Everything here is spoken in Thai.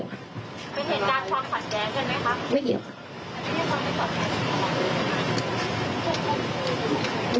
ไม่เห็น